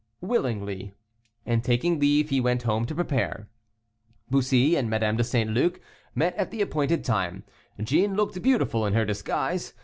"Willingly," and taking leave he went home to prepare. Bussy and Madame de St. Luc met at the appointed time; Jeanne looked beautiful in her disguise.